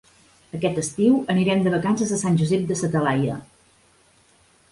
Aquest estiu anirem de vacances a Sant Josep de sa Talaia.